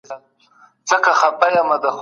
لوېدیځ تمدن علومو ته نوې وده ورکړه.